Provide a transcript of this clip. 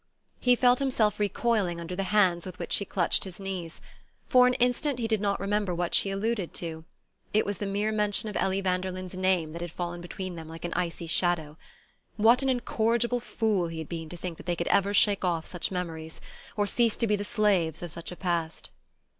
He felt himself recoiling under the hands with which she clutched his knees. For an instant he did not remember what she alluded to; it was the mere mention of Ellie Vanderlyn's name that had fallen between them like an icy shadow. What an incorrigible fool he had been to think they could ever shake off such memories, or cease to be the slaves of such a past!